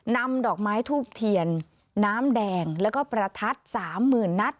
นำดอกไม้ทูบเทียนน้ำแดงแล้วก็ประทัด๓๐๐๐นัด